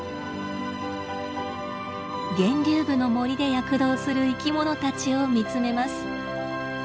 源流部の森で躍動する生きものたちを見つめます。